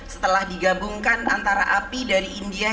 setelah digabungkan antara api dari india